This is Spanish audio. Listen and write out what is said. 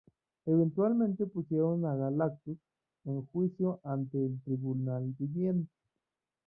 Eventualmente pusieron a Galactus en juicio ante el Tribunal Viviente.